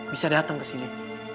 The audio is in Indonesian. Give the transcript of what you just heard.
bisa datang ke sini